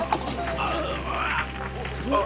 あっ。